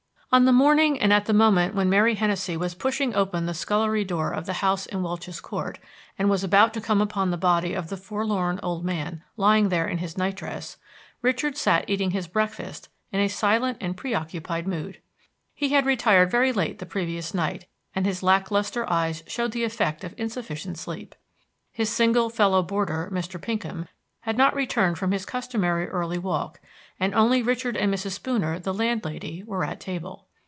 On the morning and at the moment when Mary Hennessey was pushing open the scullery door of the house in Welch's Court, and was about to come upon the body of the forlorn old man lying there in his night dress, Richard sat eating his breakfast in a silent and preoccupied mood. He had retired very late the previous night, and his lack lustre eyes showed the effect of insufficient sleep. His single fellow boarder, Mr. Pinkham, had not returned from his customary early walk, and only Richard and Mrs. Spooner, the landlady, were at table.